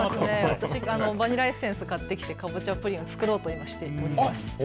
私はバニラエッセンスを買ってきて、かぼちゃプリンを作ろうとしています。